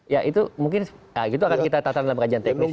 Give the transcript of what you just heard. ya itu mungkin ya gitu akan kita tatan dalam kajian teknis ya